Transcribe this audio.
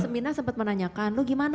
mirna sempat menanyakan lo gimana